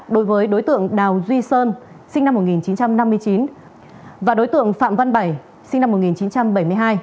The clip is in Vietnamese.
đối với đối tượng đào duy sơn sinh năm một nghìn chín trăm năm mươi chín và đối tượng phạm văn bảy sinh năm một nghìn chín trăm bảy mươi hai